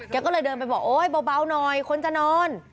ก็เลยเดินไปบอกโอ๊ยเบาหน่อยคนจะนอน